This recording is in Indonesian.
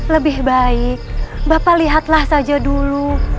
lebih baik bapak lihatlah saja dulu